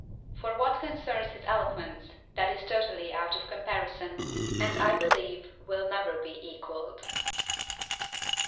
For what concerns his eloquence, that is totally out of comparison, and I believe will never be equalled."